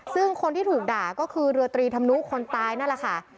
ซึ่งคนที่ถูกด่าก็คือเรือตรีธรรมนุคนตายนั่นแหละค่ะ